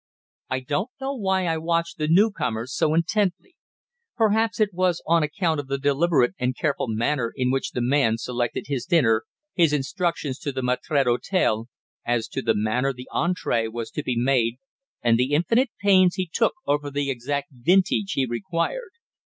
I don't know why I watched the new comers so intently. Perhaps it was on account of the deliberate and careful manner in which the man selected his dinner, his instructions to the maître d'hotel as to the manner the entrée was to be made, and the infinite pains he took over the exact vintage he required.